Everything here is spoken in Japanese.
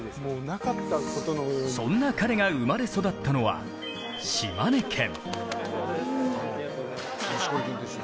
そんな彼が生まれ育ったのは島根県。